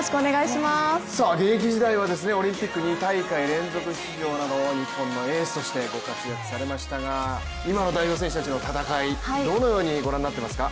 現役時代はオリンピック２大会連続出場など日本のエースとしてご活躍されましたが今の代表選手たちの戦い、どのようにご覧になってますか。